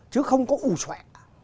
chứ không có ủ xoẻ